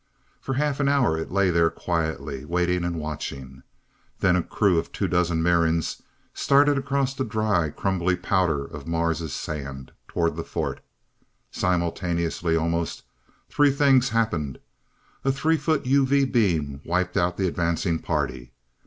For half an hour it lay there quietly, waiting and watching. Then a crew of two dozen Mirans started across the dry, crumbly powder of Mars' sands, toward the fort. Simultaneously almost, three things happened. A three foot UV beam wiped out the advancing party.